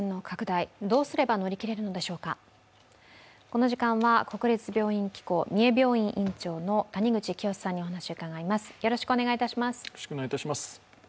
この時間は国立病院機構三重病院院長の谷口清州さんにお話を伺います。